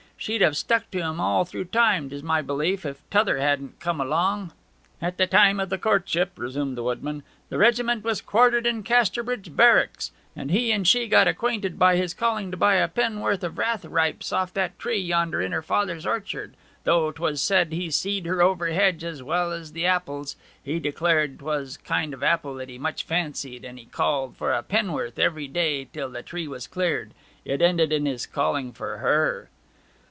She'd have stuck to him all through the time, 'tis my belief; if t'other hadn't come along.' 'At the time of the courtship,' resumed the woodman, 'the regiment was quartered in Casterbridge Barracks, and he and she got acquainted by his calling to buy a penn'orth of rathe ripes off that tree yonder in her father's orchard though 'twas said he seed her over hedge as well as the apples. He declared 'twas a kind of apple he much fancied; and he called for a penn'orth every day till the tree was cleared. It ended in his calling for her.'